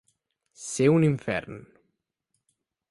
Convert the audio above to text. Ser un infern.